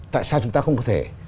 tại sao chúng ta không có thể